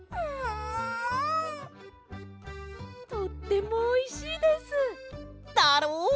とってもおいしいです！だろ？